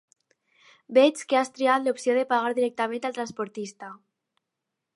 Veig que has triat l'opció de pagar directament al transportista.